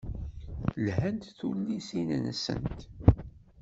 Lhant tullisin-nsent.